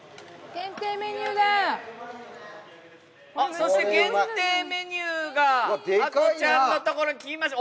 そして限定メニューがかこちゃんのところにきました。